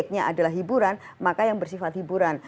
karena obyeknya adalah hiburan maka yang bersifat hiburan